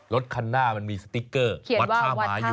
รถคันหน้ามันมีสติ๊กเกอร์มัดท่าไม้อยู่